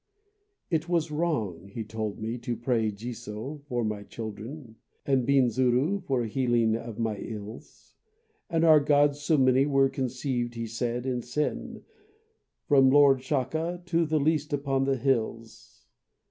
It was wrong, he told me, To pray Jiso for my children, And Binzuru for healing of my ills. And our gods so many Were conceived, he said, in sin, From Lord Shaka to the least upon the hills.